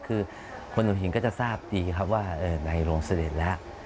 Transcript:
คือคนหัวหินก็จะทราบดีครับว่าในโรงเสด็จแล้ว